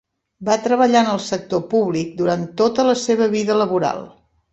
Va treballar en el sector públic durant tota la seva vida laboral.